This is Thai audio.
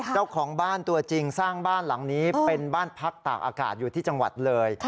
เจ้าของบ้านตัวจริงสร้างบ้านหลังนี้เป็นบ้านพักตากอากาศอยู่ที่จังหวัดเลย